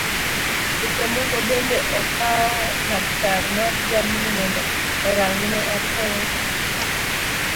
Seche moko bende okawo laktar mar jamni mondo orang'ne apuoyo go